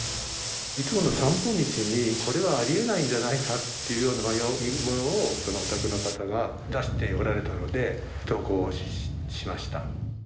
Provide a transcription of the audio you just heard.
いつもの散歩道にこれはあり得ないんじゃないかっていうようなものをそのお宅の方が出しておられたので投稿しました。